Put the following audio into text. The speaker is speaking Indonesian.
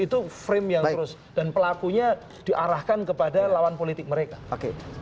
itu frame yang terus dan pelakunya diarahkan kepada lawan politik mereka oke